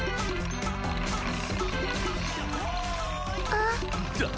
あっ。